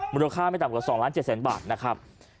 มูลค่าไม่ต่ำกว่า๒ล้าน๗แสนบาทนะครับ